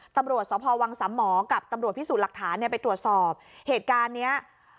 ตำรวจสพวังสามหมอกับตำรวจพิสูจน์หลักฐานเนี่ยไปตรวจสอบเหตุการณ์เนี้ย